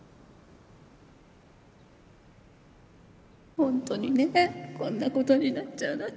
本当にねこんな事になっちゃうなんて。